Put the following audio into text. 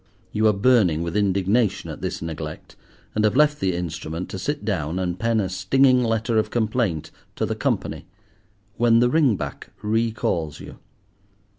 You are burning with indignation at this neglect, and have left the instrument to sit down and pen a stinging letter of complaint to the Company when the ring back re calls you.